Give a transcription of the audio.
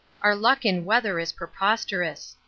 Our luck in weather is preposterous.